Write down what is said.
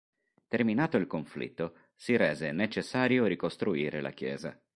Terminato il conflitto, si rese necessario ricostruire la chiesa.